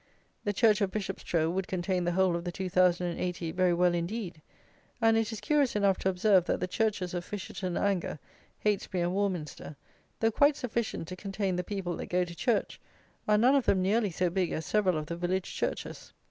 The church of Bishopstrow would contain the whole of the two thousand and eighty very well indeed; and it is curious enough to observe that the churches of Fisherton Anger, Heytesbury, and Warminster, though quite sufficient to contain the people that go to church, are none of them nearly so big as several of the village churches.